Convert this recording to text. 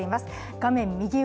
画面右上